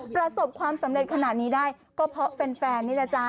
ประสบความสำเร็จขนาดนี้ได้ก็เพราะแฟนนี่แหละจ๊ะ